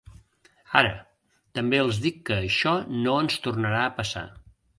Ara, també els dic que això no ens tornarà a passar.